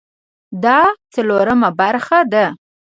دا څلورمه برخه ده